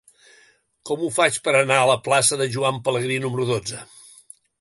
Com ho faig per anar a la plaça de Joan Pelegrí número dotze?